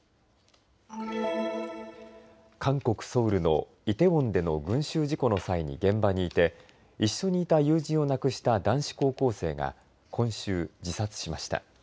韓国ソウルのイテウォンでの群集事故の際に現場にいて一緒にいた友人を亡くした男子高校生が今週、自殺しました。